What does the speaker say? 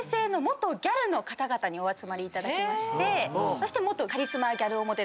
そして。